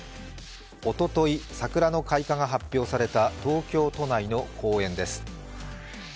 おととい、桜の開花が発表された東京都内の公園です。